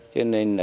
cho nên là